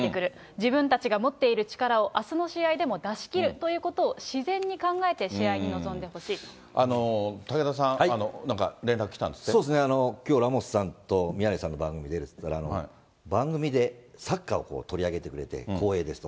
自分たちが持っている力を、あすの試合でも出し切るということを自然に考えて試合に臨んでほ武田さん、なんか連絡来たんそうですね、きょう、ラモスさんと宮根さんの番組に出るって言ったら、番組でサッカーを取り上げてくれて光栄ですと。